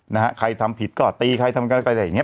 นะฮะใครทำผิดก็ตีใครทำกันก็ได้อย่างเง